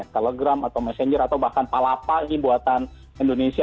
telegram atau messenger atau bahkan palapa ini buatan indonesia